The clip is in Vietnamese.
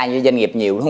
như doanh nghiệp nhiều